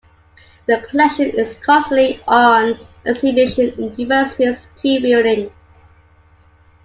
The collection is constantly on exhibition in the university's two buildings.